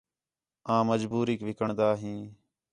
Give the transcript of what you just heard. آں مجبوریک وکݨدا ہیں